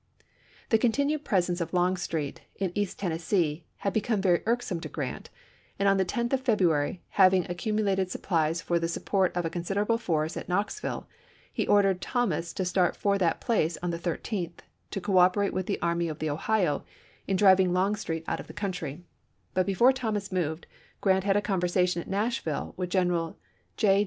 The continued presence of Longstreet in East Tennessee had become very irksome to Grant, and on the 10th of February, having accumulated sup plies for the support of a considerable force at Knoxville, he ordered Thomas to start for that place on the 13th to cooperate with the Army of the Ohio in driving Longstreet out of the country ; but before Thomas moved, Grant had a conversa tion at Nashville with General J.